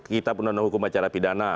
kitab undang undang hukum acara pidana